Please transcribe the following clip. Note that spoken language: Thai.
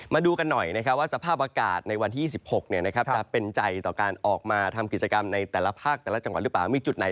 มาดูกันหน่อยนะครับว่าสภาพอากาศในวันที่๒๖จะเป็นใจต่อการออกมาทำกิจกรรมในแต่ละภาคแต่ละจังหวัดหรือเปล่ามีจุดไหน